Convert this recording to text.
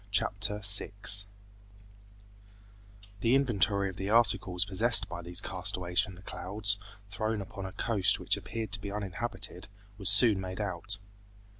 Chapter 6 The inventory of the articles possessed by these castaways from the clouds, thrown upon a coast which appeared to be uninhabited, was soon made out.